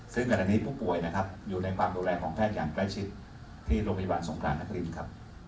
ซึ่งขณะนี้ผู้ป่วยนะครับอยู่ในความดูแลของแพทย์อย่างใกล้ชิดที่โรงพยาบาลสงครานนครินครับ